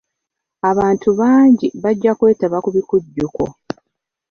Abantu bangi bajja kwetaba ku bikujjuko.